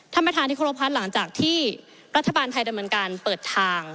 ท่านประธานที่เคารพพัฒน์หลังจากที่รัฐบาลไทยดำเนินการเปิดทาง